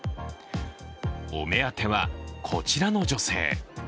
お目当ては、こちらの女性。